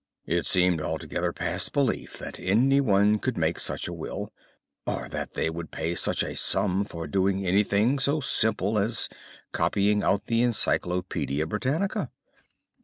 It seemed altogether past belief that anyone could make such a will, or that they would pay such a sum for doing anything so simple as copying out the Encyclopædia Britannica.